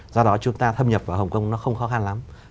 do đó chúng ta thâm nhập vào hồng kông nó không khó khăn lắm